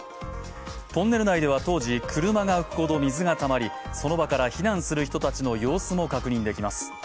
トンネル内では当時、車が浮くほど水がたまりその場から避難する人たちの様子も確認できます。